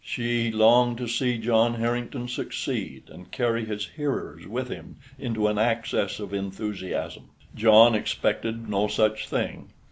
She longed to see John Harrington succeed and carry his hearers with him into an access of enthusiasm. John expected no such thing.